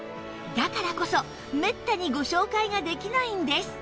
だからこそめったにご紹介ができないんです